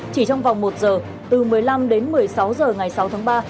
chỉ trong vòng một giờ từ một mươi năm đến một mươi sáu h ngày sáu tháng ba